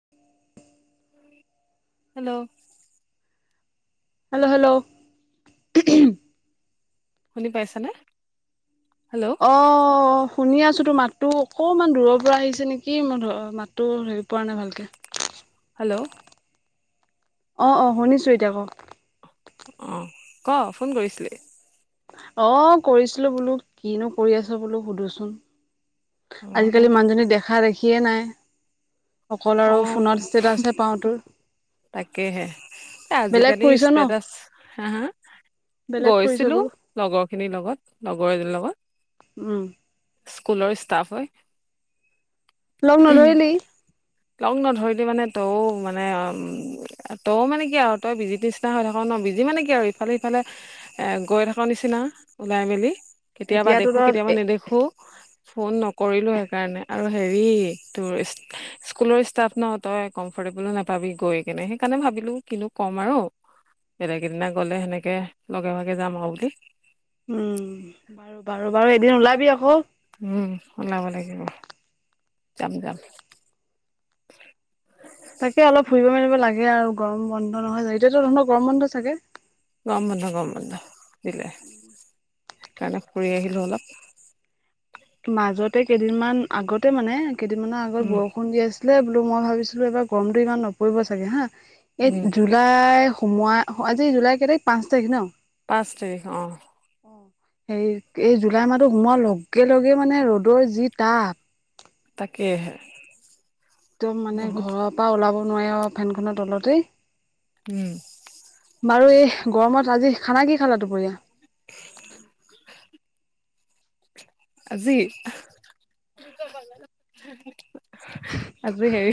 [inaudible] [inaudible] Hello. Hello hello. [unintelligible] শুনি পাইছা নে? হেল্ল'! [unintelligible] অঁ' [inaudible] অ শুনি আছো। তোৰ মাতটো অকণমান দূৰৰ পৰা আহিছে নেকি মই [inaudible] মাতটো ধৰি পোৱা নাই ভালকে। হেল্ল'! [inaudible] অঁ-অঁ! শুনিছো এতিয়া ক [unintelligible] অঁ! ক ফোন কৰিছিলি? [unintelligible] অ! কৰিছিলো বোলো কিনো কৰি আছ বোলো সুধো চোন। [unintelligible] আজিকালি অ' মানুহজনীক দেখা দেখিয়ে নাই। [unintelligible] অকল আৰু অ' ফোনত ষ্টেটাছে পাওঁ তোৰ। [unintelligible] তাকেহে বেলেগ আজিকালি ফুৰিছ ন ষ্টেটাছ [inaudible] হা-হা? বেলেগ ফুৰিছ গৈছিলো বোলো লগৰখিনিৰ লগত লগৰ এজনীৰ লগত। [unintelligible] উম। [inaudible] স্কুলৰ ষ্টাফ হয়। লগ নধৰিলি [unintelligible] লগ নধৰিলি মানে [inaudible] মানে তইও মানে কি আৰু তই বিজিৰ নিচিনা হৈ থাক ন। বিজি মানে কি আৰু ইফালে-সিফালে [unintelligible] এ গৈ থাক নিচিনা ওলাই মেলি কেতিয়াবা এতিয়াতো দেখো কেতিয়াবা তত নেদে [unintelligible] খো ফোন নকৰিলো সেইকাৰণে আৰু হেৰি তোৰ ষ্টে [unintelligible] স্কুলৰ ষ্টাফ নহ তই কমফৰ্টেবলো নাপাবি গৈ। [unintelligible] সেইকাৰনে সেইকাৰণে ভাবিলো কিনো ক'ম আৰু বেলেগ এদিনা গ'লে সেনেকৈ লগে ভাগে যাম আৰু বুলি। উম বাৰু বাৰু বাৰু এদিন ওলাবি আকৌ। উম ওলাব লাগিব যাম যাম। [unintelligible] তাকে অলপ ফুৰিব মেলিব লাগে আৰু গৰম বন্ধ নহয় জানো এতিয়াতো তহঁতৰ গৰম বন্ধ চাগে। গৰম বন্ধ গৰম বন্ধ দিলে সেইকাৰণে ফুৰি আহিলোঁ অলপ। মাজতে কেইদিনমান আগতে মানে কেইদিনৰ আগত উম বৰষুণ দি আছ আছিলে বোলো মই ভাবিছিলো এইবাৰ গৰমটো ইমান নপৰিব চাগে হা উম এই জুলাই সোমোৱা অ আজি জুলাই কে তাৰিখ পাঁচ তাৰিখ ন। পাঁচ তাৰিখ অ অ হে এই জুলাই মাহটো সোমোৱাৰ লগে লগে মানে ৰ'দৰ যি টাপ। তাকেহে একদম মানে বহুত ঘৰৰ পৰা ওলাব নোৱাৰি আও ফেনখনৰ তলতেই। উম। বাৰু এই গৰমত আজি খানা কি খালা দুপৰীয়া? [inaudible] আজি। আজি হেৰি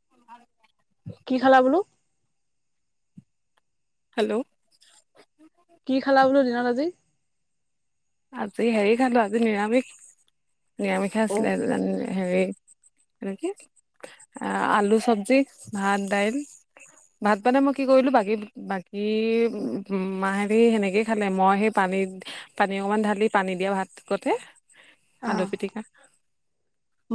[inaudible] কি খালা বোলো? হেল্ল'। কি খালা বোলো দিনত আজি। আজি হেৰি খালো আজি নিৰামিষ নিৰামিষ খাই অ আছিলে [unintelligible] হেৰি এইটো কি আলু চবজি ভাত দাইল। ভাত পানে মই কি কৰিলো বাকী বাকী উ মা হেতি সেনেকেই খালে মই সেই পানীত। পানী অকমান ঢালি পানী দিয়া ভাত কতে। অ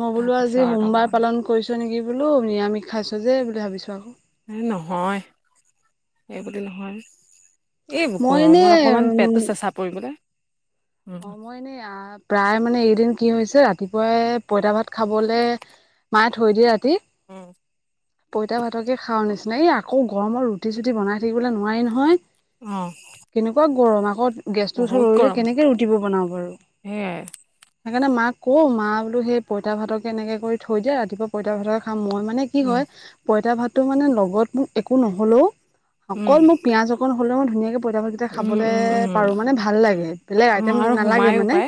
মই বোলো আজি তাৰপিছত সোমবাৰ অকমান পালন কৰিছ নেকি বোলো নিৰামিষ খাইছো যে বুলি ভাবিছোঁ আক। এই নহয় এইবুলি নহয়। এই মই এনে গৰমত অকমান উম পেটটো চেঁচা পৰিবলে উম অ' মই এনেই অ'। প্ৰায় মানে এইদিন কি হৈছে ৰাতিপুৱাই পইতা ভাত খাবলে মায়ে থৈ দিয়ে ৰাতি। উম। পইতা ভাতকে খাওঁ নিচিনা এই আকৌ গৰমৰ ৰুটি চুটি বনাই থাকিবলে নোৱাৰি নহয়। অ কেনেকুৱা গৰম আগত গেছটো ওচত বহুত ৰৈ ৰৈ গৰম কেনেকে ৰুটিব বনাওঁ বাৰু। সেয়াই সেইকাৰণে মাক কও মা বোলো সেই পইতা ভাতকে এনেকে কৰি থৈ দিয়া ৰাতিপুৱা পইতা ভাতকে খাম মই মানে। কি উম, হয় পইতা ভাতটো মানে লগত মোক একো নহ'লেও উম, অকল মোক পিয়াজ অকণ। হলোঁ মই ধুনীয়াকে পইতা ভাত কেইটা উম, খাবলে উম, উম, পাৰো মানে ভাল লাগে বেলেগ। অ', আৰু নালাগে সোমায়ো মানে পাই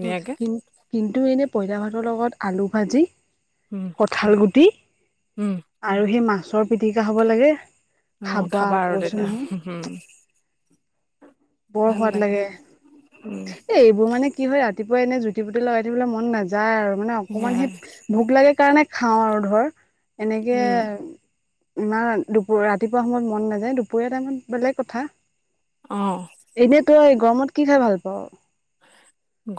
উম কিন কিন্তু এনেই পইতা ভাতৰ লগত আলু ভাজি উম, কঁঠাল গুটি। উম, আৰু সেই মাছৰ পিটিকা হব লাগে খাবা আৰু কৈছো নহয়। হোম বৰ সোৱাদ লাগে উম, এ এইবোৰ মানে কি হয় ৰাতিপুৱাই এনে জুতি পুতি লগাই থাকিবলে মন নায যায় আৰু মানে অকমান সেয়াই সেই ভোক লাগে কাৰণে খাওঁ আৰু ধৰ। এনেকে। উম, নাই দুপ ৰাতিপুৱা সময়ত মন নাযায় দুপৰীয়া টাইমত বেলেগ কথা। অ'। এনে তই গৰমত কি খাই ভাল পাওঁ।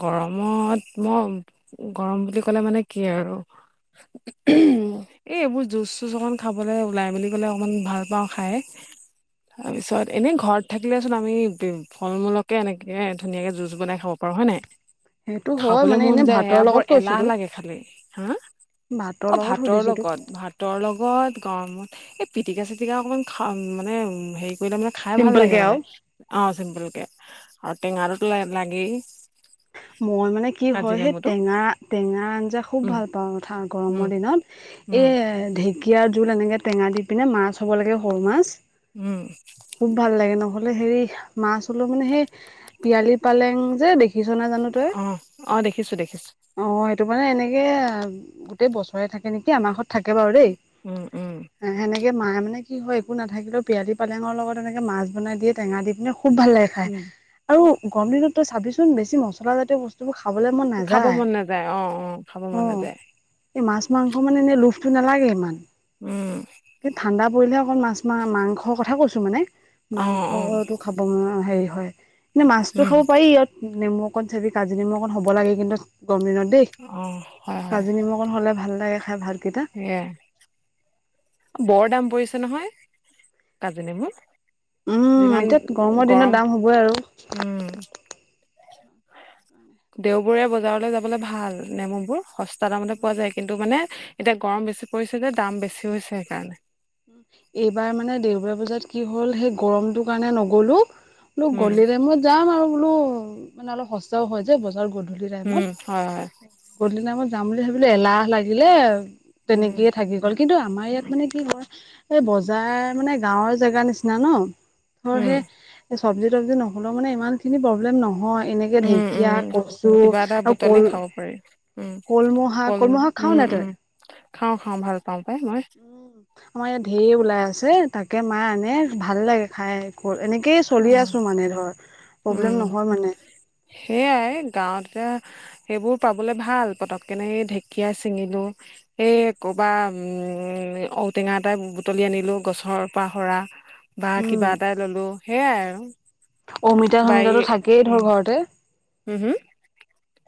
গৰমত মই গৰম বুলি ক'লে মানে কি আৰু। [inaudible] এই এইবোৰ জুচ চুচ অকন খাবলৈ ওলাই বুলি ক'লে অকমান ভাল পাওঁ খাই। তাৰপিছত এনে ঘৰত থাকিলে চোন আমি ফল মূলকে এনেকে ধুনীয়াকে যুজ। বনাই খাব পাৰো হয় নাই সেইটো হয় খাবলৈ মানে মন এনে যায় ভাতৰ সেয়া বৰ লগত কৈছো এলাহ তোক লাগে খালে হা। অ' লগত ভাতৰ সুধিছো তোক লগত ভাত। তৰ লগত গৰমত এই পিটিকা চিটিকা অকমান খা মানে হেৰি কৰিলে মানে। খাই ভাল চিম্পল কে লাগে আৰু। মানে অ চিম্পুল কে আৰু টেঙাতো লাগি মই মানে কি হয় সেই টেঙা টেঙা আঞ্জা খুব উম, ভাল পাওঁ কথা উম, গৰমৰ দিনত। এ উম, ঢেকীয়া জোল এনেকে টেঙা দি পিনে মাছ হ'ব লাগে সৰু মাছ। উম। খুব ভাল লাগে নহ'লে হেৰি মাছ হলেও মানে সেই পিয়ালি পালেং যে দে। কিছ ন জানো তই। অ', অ', দেখিছোঁ দেখিছোঁ অ' সেইটো মানে এনেকে গোটেই বছৰে থাকে নেকি আমাৰ ঘত থাকে বাৰু দেই। উম উম। সেনেকে মায়ে মানে কি হয় একো নাথাকিলেও পিয়ালি পা পালেঙৰ লগত এনেকে মাছ বনাই দিয়ে টেঙা দি পিনে খুব ভাল লাগে খায়। উম, আৰু গৰম দিনত তই চাবিচোন বেছি মছলা জাতীয় বস্তু। বোৰ খাবলে মন খাব নাযায় মন নাযায় অ', খাব অ মন নাযায় এই মাছ মাংস মানে এনে লোভটো নালাগে ইমান উম, কি ঠাণ্ডা পৰিলে অকল মাছ মা মাংসৰ কথা কৈছো মানে অ', অ', মাংসটো খাব হেৰি হয় এনে মাছটো উম, খাব পাৰি ইয়াত নেমু অকন চেবি কাজি নেমু অকণ হ'ব লাগে কিন্তু গৰম দিনত দে অ হয় হয় অন হ'লে ভাল লাগে খাই ভাল কেইটা সেয়া বৰ দাম পৰিছে নহয় কাজী নেমুুৰ উম এতিয়া গৰমৰ দিনত দাম হ'বই আৰু। উম। দেওবৰীয়া বজাৰলৈ যাবলে ভাল নেমু বোৰ স টা দামতে পোৱা যায় কিন্তু মানে এতিয়া গৰম বেছি পৰিছে যে দাম বেছি হৈছে সেইকাৰণে। এইবাৰ মানে দেওবাৰ বজাত কি হ'ল সেই গৰমটোৰ কাৰণে নগলো। বোলো উম গ'লিৰে মই যাম আৰু বোলো মানে অলপ সস্তাও হয় যায় বজাৰ গ গধূলি টাইমত উম হয় হয় গধূলি টাইমত যাম বুলি ভাবিলে এলাহ লাগিলে। উম তেনেকেই থাকি গ'ল কিন্তু আমাৰ ইয়াত মানে কি হয়। এই বজাৰ মানে গাঁৱৰ জেগাৰ নিচিনা ন ধৰ উম সেই এই চব্জি তবজি নহলেও মানে ইমান খিনি প্ৰব্লেম নহয়। এনেকে উম ঢেকীয়া উম কচু কিবা এটা আৰু বুটলি কল খাব পাৰি উম কলমৌহা কল কলমৌ শাক খাও উম নাই তই উম খাওঁ খাওঁ ভাল পাওঁ পাই মই আমাৰ ইয়াত ধঢেৰ ওলাই আছে তাকে মা আনে ভাল লাগে খাই হ'ল এনেকেই চলি আছো মানে ধৰ প্ৰব্লেম নহয় মানে সেইয়াই গাঁৱতে এহ্ এহ্। সেইবোৰ পাবলে ভাল পতকে কেনে এই ঢেকীয়াই ছিঙিলো। এই ক'বা উ উ উ উ উ ঔটেঙা এটাই বুটলি আনিলো গছৰ পৰা সৰা। বা উম কিবা এটাই ললো সেইয়াই আৰু অমিতা বাৰী অমিতাটো থাকেই উম ধৰ ঘৰতে হম হম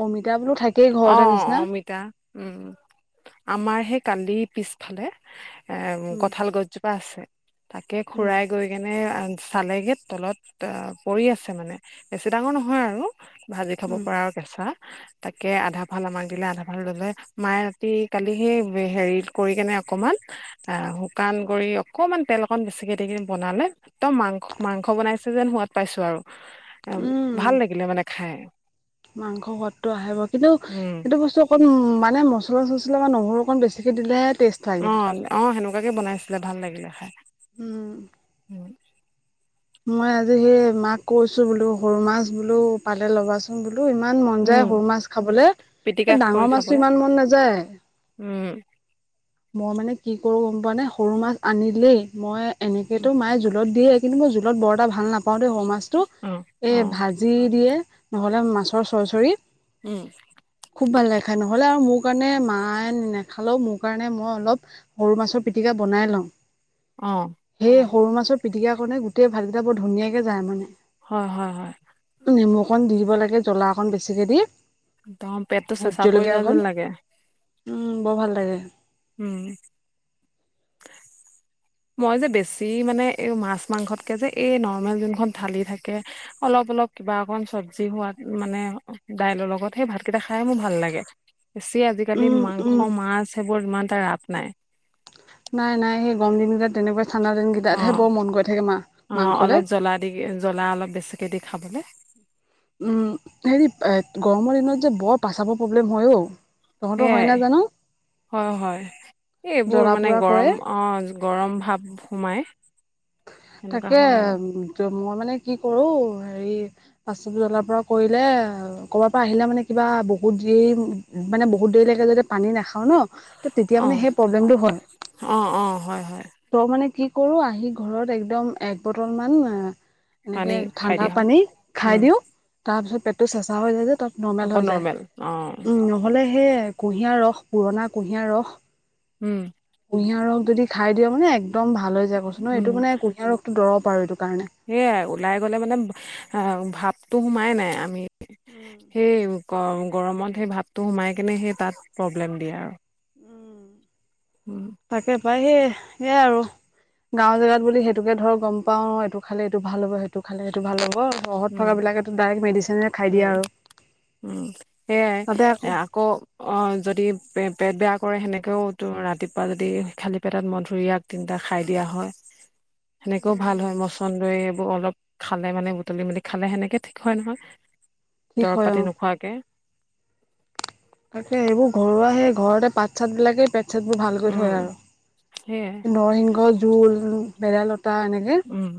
অমিতা বোলো থাক সেই অ ঘৰতে নিচিনা। অমিতা উম উ আমাৰ সেই কান্দি পিছ এফালে ইহ এ এ উম কঁঠাল গছজোপা আছে তাকে উম খুৰাই গৈ পিনে কেনে আৰু চালেগে তলত অ পৰি আছে মানে বেছি ডাঙৰ নহয় আৰু ভাজি খাব উম, পৰা আৰু কেঁচা ইহ্ ই তাক কে আধা ফাল আমাক দিলে আধা ফাল ললে মায়ে ৰাতি কালি সেই হেৰিত কৰি কেনে অকমান ই ই ই আহ অ শুকান গুৰি অকনমান তেল অকন বেচিকে দি কেনি বনালে। একদম মাংস মাংস বনাইছে যেন সোৱাদ পাইছো আৰু ই ই আ আ উম, ভাল লাগিলে মানে খাই। মাংস সোৱাদটো আহিব কিন্তু এইটো বস্তু অকন উ উম মানে মছলা-চচলা বা নহৰু অকন বেছিকে দিলে। অ অ সেনেকুৱাকে বনাইছিলে ভাল লাগিলে খাই উম, উ। মই আজি সেই মাক কৈছো বোলো সৰু মাছ বোলো পালে লবাছো উম বোলো ইমান মন যায় উম সৰু মাছ খাবলে এ পিটিকা কৰি ডাঙৰ মাছটো খাবলে ইমান মন নাযায়। উম উ উ। মই মানে কি কৰো গম পোৱা নে সৰু মাছ আনিলেই মই এনেকেতো মায়ে জোলত দিয়ে কিন্তু মই জোলত বৰ এটা ভাল নাপাওঁ দেই সৰু মাছটো অ', এ অ', ভাজ যি দিয়ে নহ'লে মাছৰ চৰ্চৰি। উম উ। খুব ভাল লাগে খাই নহ'লে আৰু মোৰ কাৰণে মায়ে নাখালেও মোক মোৰ কাৰণে মই অলপ সৰু মাছৰ পিটিকা বনাই লওঁ। অঁ অ। সেই সৰু মাছৰ পিটিকা কাৰণে গোটেই ভাতকেইটা বৰ ধুনীয়াকে যায় মানে হয় হয় হয়। নেমু অকন দি দিব লাগে জ্বলা অকন বেছিকে দি। একদম পেটটো ভোট চেঁচা পৰি জলকীয়া যোৱা অকণ যেন লাগে। উম উ বৰ ভাল লাগে। উম উ। [inaudible] মই যে বেছি মানে এই মাছ-মাংসতকে যে এই নৰ্মেল যোনখন থালি থাকে হে হে আহ্ অলপ অলপ কিবা অকন চবজি হোৱাত মানে অ অ দাইলৰ লগত সেই ভাতকেইটা খাই মোৰ ভাল লাগে। বেছি আজিকালি উম উম মাংস-মাছ সেইবোৰ ইমান এটা ৰাপ নাই। নাই নাই, সেই গৰম দিনকেইটাত তেনেকুৱে ঠাণ্ডা দিনকেইটাতহে অ', বৰ মন গৈ থাকে মা মাংসলে। ঠিকে জ্বলা অলপ বেছিকে দি খাবলে। উম উ উ, হেৰি এ গৰমৰ দিনত যে বৰ পেচাবৰ প্ৰব্লেম হয় অ। তহঁতৰ হয় সেয়াই নাই জানো হয় হয় এই এইবোৰ জ্বলা মানে পোৰা কৰে গৰম অ অ অ গৰম ভাপ সোমায়। তাকে উম উম তোৰ মই মানে কি কৰো হেৰি পাচ জ্বলাৰ পৰা কৰিলে আ অ অ। কৰ'বাৰ পৰা আহিলে মানে কিবা বহুত দেৰি মানে বহুত দেৰিলৈকে যদি পানী নেখাও ন আহ আ ত' তেতিয়া মানে অ' সেই প্ৰব্লেমটো হয়। অ' অ' হয় হয় ত' মানে কি কৰোঁ আহি ঘৰত একদম এক বটল মান আ পানী এনেকে খাই ঠাণ্ডা দিয়া হয় পানী খাই উম দিওঁ তাৰপিছত পেটটো চেঁচা হৈ যায় যে তাত নৰ্মেল আকৌ হৈ যায় অ' উম নহ'লে সেই কুঁহিয়া ৰস পুৰণা কুঁহিয়া ৰস উম। কুঁহিয়া ৰস যদি খাই দিয় মানে একদম ভাল হৈ যায় কৈছো নহয় উম এইটো মানে কুঁহিয়া ৰসটো দৰৱ আৰু এইটো কাৰণে সেয়াই ওলাই গ'লে মানে [unintelligible] আ, ভাৱটো সোমাই নাই আমি। উম সেইয়ো কৰম গৰমত সেই ভাতটো সোমাই কিনে সেই তাত প্ৰব্লেম দিয়ে আৰু। উম উম। তাকে পাই সেই সেয়াই আৰু। গাঁও জেগাত বুলি সেইটোকে ধৰ গম পাওঁ এইটো খালে এইটো ভাল হ'ব সেইটো খালে সেইটো ভাল হ'ব। চৰহত উম থকা বিলাকেতো ডাইৰেক্ট মেডিচনে খাই উম দিয়ে আৰু। উম সেয়াই। এ, আকৌ অ', যদি পে পেট বেয়া কৰে সেনেকেও তো ৰাতিপুৱা যদি খালী পেটত মধুৰিয়াক তিনটা খাই দিয়া হয়। [inaudible] সেনেকেও ভাল উম হয় মচন্দই এইবোৰ অলপ খালে মানে বু তলি মেলি খালে সেনেকে ঠিক হয় নহয়, ঠিক দৰৱ হয় পাতি অ নোখোৱাকে। তাকে সেইবোৰ ঘৰুৱা সেই ঘৰতে পাত চাত বিলাকে পেট চটবোৰ ভালকৈ থয় উম সেয়াই আৰু। নৰসিংহ জোল, বেদাইলতা এনেকে উম।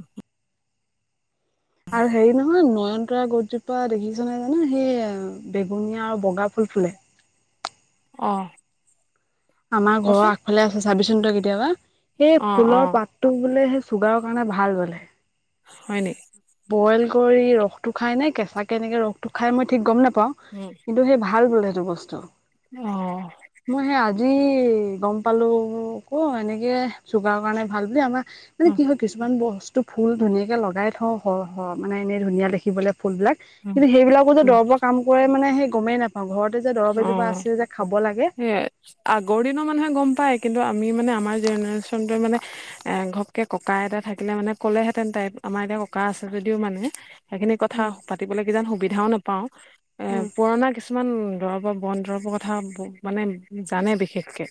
আৰু হেৰি নহয় নয়ন তৰা গছজোপা দেখিছ নে জানো সেই বেঙুনীয়া আৰু বগা ফুল ফুলে অ'। আমাৰ ঘৰৰ কচোন আগফালে আছে চাবিচোন তই কেতিয়াবা সেই অ অ ফুলৰ পাত টো বোলে সেই চুগাৰৰ কাৰণে ভাল বোলে। হয় নি? বইল কৰি ৰসটো খাই নে কেঁচাকে এনেকে ৰসটো খাই মই ঠিক গম নেপাওঁ। [unintelligible] কিন্তু সেই ভাল বোলে সেইটো বস্তু। অ'। মই সেই আজি গম পালোঁ ক' এনেকে চুগাৰৰ কাৰণে ভাল বুলি আমাৰ মানে উম কি হয় কিছুমান বস্তু ফুল ধুনীয়াকে লগাই থওঁ হয় হয় মানে এনেই ধুনীয়া দেখিবলে ফুলবিলাক উম কিন্তু সেইবিলাকো যে উম দৰবৰ কাম কৰে মানে সেই গমেই নাপ অ', ঘৰতে যে দৰৱ এজোপা অ আছে যে খাব লাগে। সেয়াই আগৰ দিনৰ মানুহে গম পায়, কিন্তু আমি মানে আমাৰ জেনেৰেচনটোৱে মানে এ ঘপ কে ককা- আইতা থাকিলে মানে ক'লেহেতেন তাইপ আমাৰ এতিয়া ককা আছে যদিও মানে সেইখিনি কথা উম পাত তিবলে কিজান সুবিধাও নাপাওঁ এ, উম পুৰণা কিছুমান দৰব বন দৰৱৰ কথা ব মানে জানে বিশেষকে।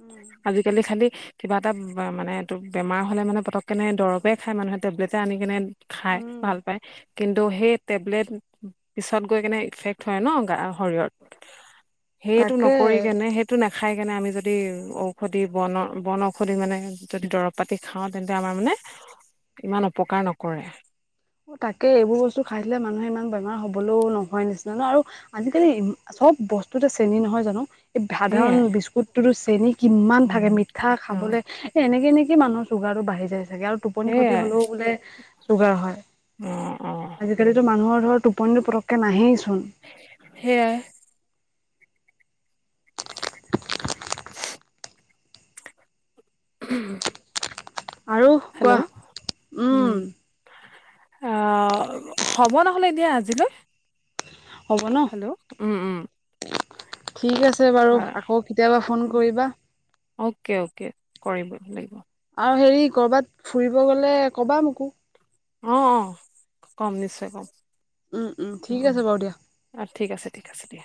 উম। আজিকালি খালি কিবা এটা বা মানে এইটো বেমাৰ হ'লে মানে পতক কেনে দৰৱে খাই মানুহে টেবলেটে আনি কেনে খাই উম ভাল পায়। কিন্তু সেই টেবলেট পিছত গৈ কেনে ইফেক্ট হয় ন গা শৰীৰত। সেইটো নকৰি তাকে কেনে সে টো নাখাই কেনে আমি যদি ঔষধি বনৰ বন ঔষধি মানে যদি দৰপটোত পাতি খাও তেন্তে আমাৰ মানে ইমান অপকাৰ নকৰে। অ তাকে এইবোৰ বস্তু খাইছিলে মানুহে ইমান বেমাৰ হবলৈও নহয় নিচিনা ন আৰু আজিকালি চব বস্তুতে চেনী নহয় জানো? সাধাৰণ সেয়াই বিস্কুটটো চেনি কিমান থাকে উম মিঠা অ খাবলে। এনেকে এনেকৈ মানুহৰ চুগাৰটো বাঢ়ি যায় চাগে আৰু টোপনি ক্ষতি সেয়াই হলেও বোলে চুগাৰ হয়। অ, অ। আজিকালিতো মানুহৰ ধৰ টোপনি পতকে নাহেই চোন। সেয়াই। [inaudible] আৰু হেল্ল' কোৱা উম। হ'ব নহ'লে দিয়া আজিলৈ। অ, হ'ব ন, হেল্ল' উম উম ঠিক আছে বাৰু আকৌ কেতিয়াবা ফোন কৰিবা। অ'কে অ'কে কৰিব লাগিব। আৰু হেৰি কৰ'বাত ফুৰিব গ'লে ক'বা মোকো। অ অ কম নিশ্চয় কম। উম উম ঠিক আছে বাৰু দিয়া। ঠিক আছে ঠিক আছে দিয়া